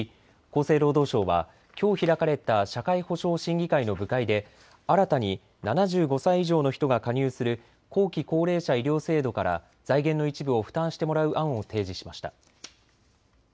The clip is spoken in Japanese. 厚生労働省はきょう開かれた社会保障審議会の部会で新たに７５歳以上の人が加入する後期高齢者医療制度から財源の一部を負担してもらう案を提示しました。